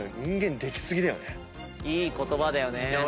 いい言葉だよね。